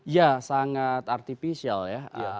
ya sangat artificial ya